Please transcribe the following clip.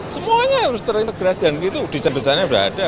semuanya harus terintegrasi dan itu desain besarnya sudah ada